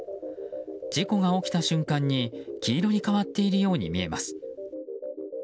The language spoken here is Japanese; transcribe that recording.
事故が起きた瞬間に黄色に変わっているように見えます。